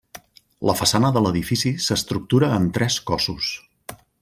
La façana de l'edifici s'estructura en tres cossos.